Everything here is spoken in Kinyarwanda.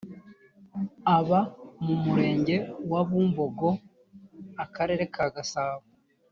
aba mu murenge wa bumbogo akarere ka gasabo